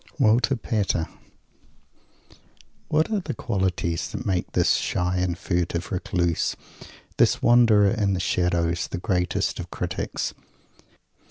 WALTER PATER What are the qualities that make this shy and furtive Recluse, this Wanderer in the shadow, the greatest of critics?